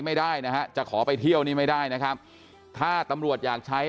ไม่ได้นะฮะจะขอไปเที่ยวนี่ไม่ได้นะครับถ้าตำรวจอยากใช้